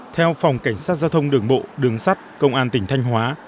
theo phòng cảnh sát giao thông đường bộ đường sắt công an tỉnh thanh hóa